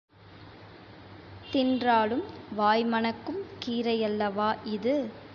தின்றாலும் வாய் மணக்கும் கீரையல்லவா இது!